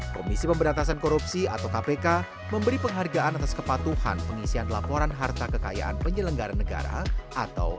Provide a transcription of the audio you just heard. komisi pemberantasan korupsi atau kpk memberi penghargaan atas kepatuhan pengisian laporan harta kekayaan penyelenggara negara atau